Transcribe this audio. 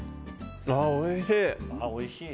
おいしい！